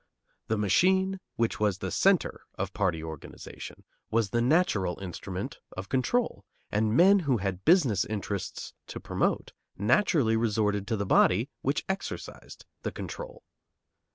The machine, which was the centre of party organization, was the natural instrument of control, and men who had business interests to promote naturally resorted to the body which exercised the control.